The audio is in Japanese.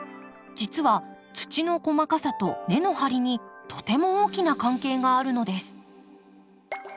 実は土の細かさと根の張りにとても大きな関係があるのです。